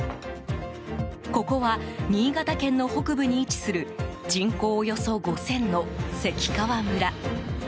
ここは、新潟県の北部に位置する人口およそ５０００の関川村。